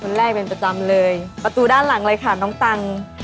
แรกเป็นประจำเลยประตูด้านหลังเลยค่ะน้องตัง